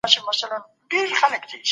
پر نورو تجاوز کول لویه ګناه ده.